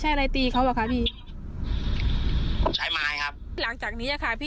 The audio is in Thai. ใช้อะไรตีเขาว่าคะพี่ใช้ไม้ครับหลังจากนี้อะค่ะพี่